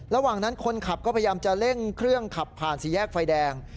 ระหว่างนั้นคนขับก็พยายามจะเร่งเครื่องขับผ่านสี่แยกไฟแดง